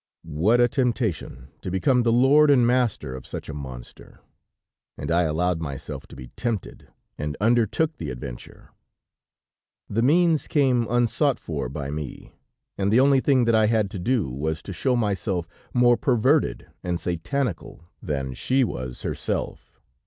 "What a temptation to become the lord and master of such a monster! And I allowed myself to be tempted, and undertook the adventure. The means came unsought for by me, and the only thing that I had to do, was to show myself more perverted and satanical that she was herself.